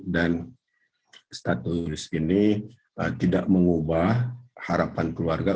dan status ini tidak mengubah harapan keluarga